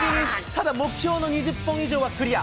ただ目標の２０本以上はクリア。